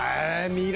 未来。